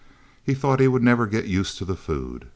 He thought he would never get used to the food.